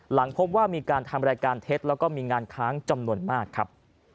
หลังพบว่ามีการทำรายการเท็จแล้วก็มีงานค้างจำนวนมากครับ